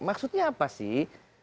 maksudnya apa sih